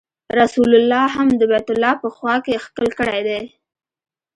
رسول الله هم د بیت الله په خوا کې ښکل کړی دی.